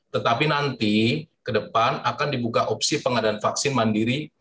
tetapi nanti ke depan akan dibuka opsi pengadaan vaksin mandiri